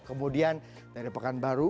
kemudian dari pekanbaru